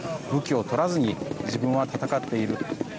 武器を取らずに自分は戦っている。